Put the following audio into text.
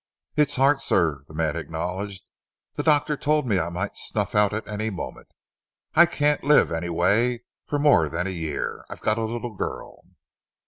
"It's heart, sir," the man acknowledged. "The doctor told me I might snuff out at any moment. I can't live, anyway, for more than a year. I've got a little girl."